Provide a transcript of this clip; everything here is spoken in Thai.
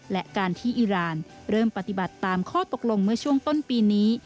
และการที่อิราณเริ่มปฏิบัติตามข้อตกลงเมื่อช่วงต้นปีนี้